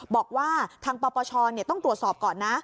บอกว่าทางปปชต้องตรวจสอบก่อนนะ